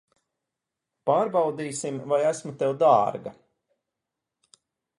Pārbaudīsim, vai esmu tev dārga.